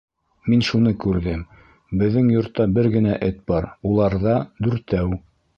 — Мин шуны күрҙем: беҙҙең йортта бер генә эт бар, уларҙа — дүртәү.